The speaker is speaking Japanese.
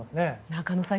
中野さん